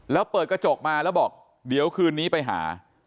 แล้วเปิดกระจกมาแล้วบอกเดี๋ยวคืนนี้ไปหา